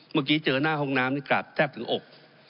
เมื่อกี้เจอหน้าห้องน้ำนี่กราบแทบถึงอก